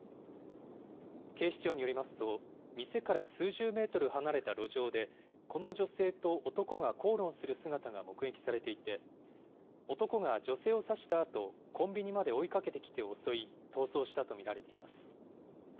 警視庁によりますと、店から数十メートル離れた路上で、この女性と男が口論する姿が目撃されていて、男が女性を刺したあと、コンビニまで追いかけてきて襲い、逃走したと見られています。